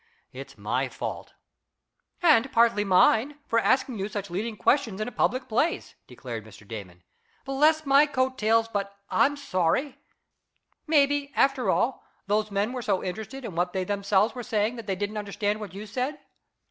It's my fault." "And partly mine, for asking you such leading questions in a public place," declared Mr. Damon. "Bless my coat tails, but I'm sorry! Maybe, after all, those men were so interested in what they themselves were saying that they didn't understand what you said."